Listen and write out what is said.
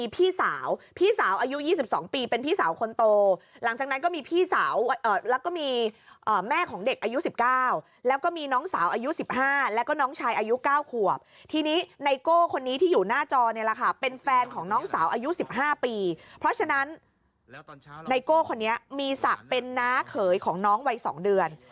เพราะฉะนั้นนายโก้คนนี้มีสัตว์เป็นน้าเขยของน้องวัย๒เดือน